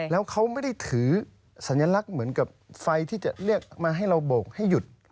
แล้วเขาไม่ได้ถือสัญลักษณ์เหมือนกับไฟที่จะเรียกมาให้เราโบกให้หยุด